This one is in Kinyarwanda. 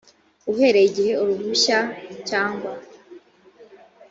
uhereye igihe uruhushya cyangwa